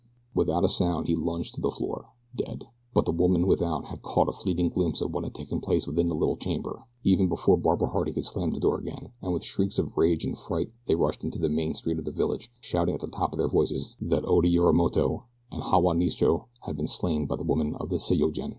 Without a sound he lunged to the floor, dead; but the women without had caught a fleeting glimpse of what had taken place within the little chamber, even before Barbara Harding could slam the door again, and with shrieks of rage and fright they rushed into the main street of the village shouting at the tops of their voices that Oda Yorimoto and Hawa Nisho had been slain by the woman of the sei yo jin.